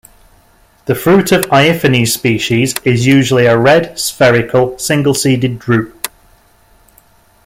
The fruit of "Aiphanes" species is usually a red, spherical, single-seeded drupe.